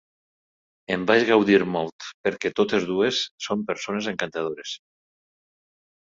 En vaig gaudir molt perquè totes dues són persones encantadores.